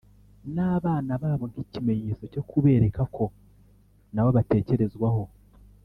n’abana babo nk’ikimenyetso cyo kubereka ko nabo batekerezwaho